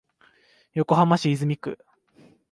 横浜市泉区